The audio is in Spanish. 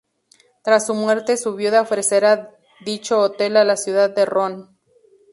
Tras su muerte, su viuda ofrecerá dicho hotel a la ciudad de Roanne.